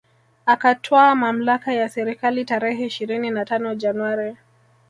Akatwaa mamlaka ya serikali tarehe ishirini na tano Januari